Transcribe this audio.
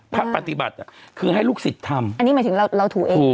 พระปฏิบัติคือให้ลูกศิษย์ทำอันนี้หมายถึงเราถูเอง